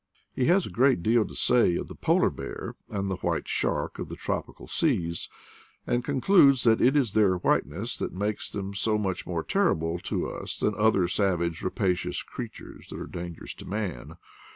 He has a great deal to say of the polar bear, and the white shark of the tropical seas, and concludes that it is their whiteness that makes them so much more terrible to us than other savage rapacious creatures that are dan gerous to man.